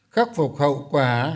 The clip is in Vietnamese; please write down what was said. khắc phục hậu quả